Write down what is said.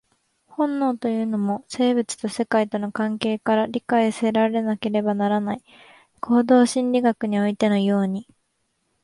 本能というのも、生物と世界との関係から理解せられなければならない、行動心理学においてのように。